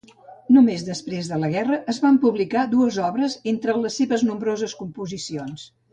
Només després de la guerra es van publicar dues obres entre les seves nombroses composicions.